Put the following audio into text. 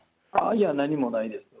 いや、何もないです。